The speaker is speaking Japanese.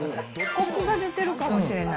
こくが出てるかもしれない。